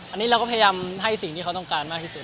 อันนี้เราก็พยายามให้สิ่งที่เขาต้องการมากที่สุด